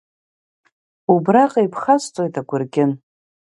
Убраҟа ибхасҵоит агәыргьын!